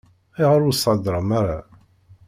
Ayɣer ur s-thedrem ara?